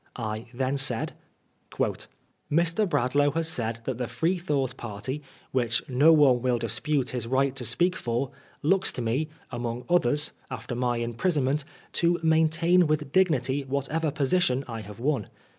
I then said :<* Mr. Bradlangh has said that the Freethought party — ^which no one will dispute his right to speak for — looks to me, among others, after my imprisonment, to maintain with dignity whatever position I have won.